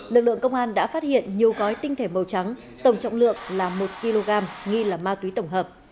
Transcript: lực lượng công an đã phát hiện nhiều gói tinh thể màu trắng tổng trọng lượng là một kg nghi là ma túy tổng hợp